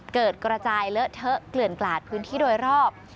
เกิดกระจายเลอะเทอะเกลื่อนกลาดพื้นที่โดยรอบ